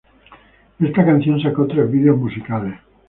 Esta canción sacó tres vídeos musicales.